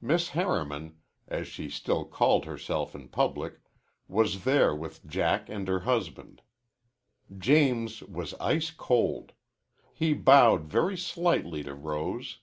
Miss Harriman, as she still called herself in public, was there with Jack and her husband. James was ice cold. He bowed very slightly to Rose.